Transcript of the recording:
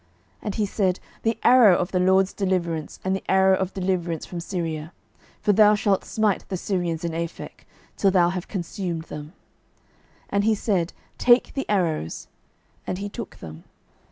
And he said, The arrow of the LORD's deliverance, and the arrow of deliverance from Syria: for thou shalt smite the Syrians in Aphek, till thou have consumed them. 12:013:018 And he said, Take the arrows. And he took them.